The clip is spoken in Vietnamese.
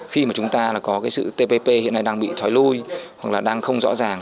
khi mà chúng ta là có cái sự tpp hiện nay đang bị thoái lui hoặc là đang không rõ ràng